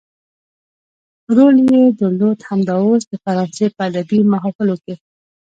رول يې درلود همدا اوس د فرانسې په ادبي محافلو کې.